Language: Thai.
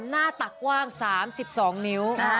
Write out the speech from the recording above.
หน้าตักกว้าง๓๒นิ้ว